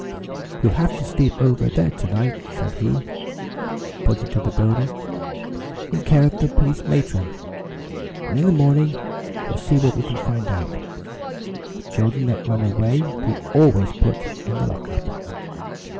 "You'll have to sleep over there to night," said he, pointing to the building, "in care of the police matron; and in the morning we'll see what we can find out. Children that run away we always put in the lock up."